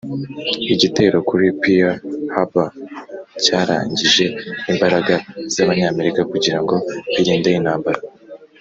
igitero kuri pearl harbour cyarangije imbaraga zabanyamerika kugirango birinde intambara